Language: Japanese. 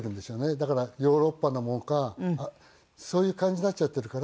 だからヨーロッパのものかそういう感じになっちゃっているから。